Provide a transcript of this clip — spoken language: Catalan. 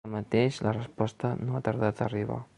Tanmateix, la resposta no ha tardat a arribar.